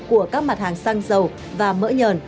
của các mặt hàng xăng dầu và mỡ nhờn